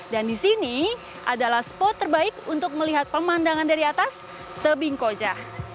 dan di sini adalah spot terbaik untuk melihat pemandangan dari atas tebing koja